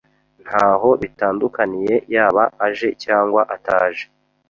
Ntaho bitandukaniye yaba aje cyangwa ataje.